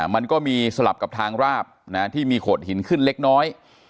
มันก็มีสลับกับทางราบที่มีโขดหินขึ้นเล็กน้อย